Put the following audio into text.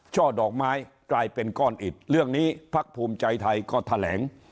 ช่อดอกไม้กลายเป็นก้อนอิดเรื่องนี้พักภูมิใจไทยก็แถลง